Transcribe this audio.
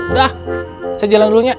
udah saya jalan dulunya